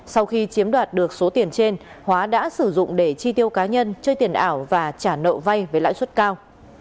sau khi chiếm đoạt được số tiền trên hóa đã sử dụng để chi tiêu cá nhân chơi tiền ảo và trả nợ vay với lãi suất cao